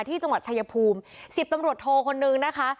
ที่จังหวัดชายภูมิ๑๐ตำรวจโทคนนึงนะคะ